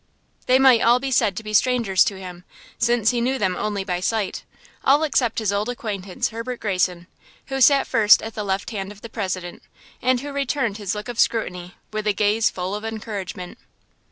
They might all be said to be strangers to him, since he knew them only by sight–all except his old acquaintance, Herbert Greyson, who sat first at the left hand of the President, and who returned his look of scrutiny with a gaze full of encouragement.